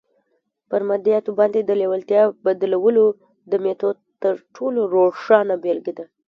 پر مادياتو باندې د لېوالتیا بدلولو د ميتود تر ټولو روښانه بېلګه ده.